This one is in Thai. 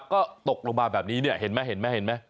ก็ตกลงมาแบบนี้เนี่ยเห็นไหมเห็นไหมเห็นไหม